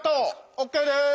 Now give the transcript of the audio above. ＯＫです！